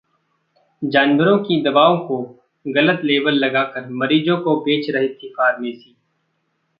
जानवरों की दवाओं को गलत लेबल लगाकर मरीजों को बेच रही थी फार्मेसी